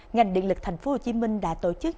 ngành điện lực tp hcm đã tổ chức